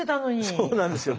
そうなんですよ。